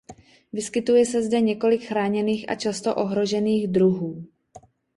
Vyskytuje se zde několik chráněných a často ohrožených druhů.